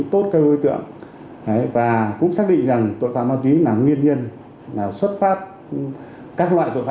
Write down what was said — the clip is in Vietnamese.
tội phạm ma túy mới